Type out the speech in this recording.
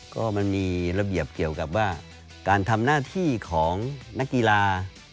ก็มันมีระเบียบเกี่ยวกับว่าการทำหน้าที่ของนักกีฬา